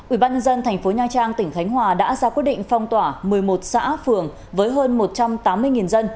ubnd tp nha trang tỉnh khánh hòa đã ra quyết định phong tỏa một mươi một xã phường với hơn một trăm tám mươi dân